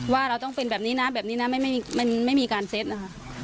ว่าเราต้องเป็นแบบนี้นะแบบนี้นะไม่มีการเซ็ตนะคะ